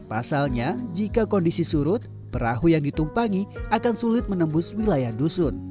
pasalnya jika kondisi surut perahu yang ditumpangi akan sulit menempatkan perahu yang ditumpangi